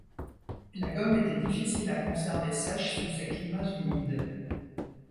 La gomme était difficile à conserver sèche sous ces climats humides.